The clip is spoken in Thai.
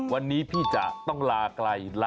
วันนี้พี่จะต้องลาไกล